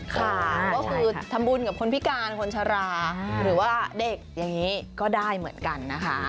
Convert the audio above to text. ค่ะก็คือทำบุญกับคนพิการคนชราหรือว่าเด็กอย่างนี้ก็ได้เหมือนกันนะคะ